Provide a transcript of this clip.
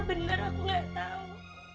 benar aku nggak tahu